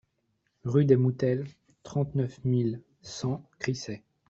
Rue des Moutelles, trente-neuf mille cent Crissey